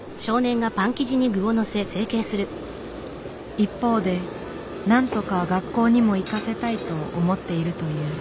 一方でなんとか学校にも行かせたいと思っているという。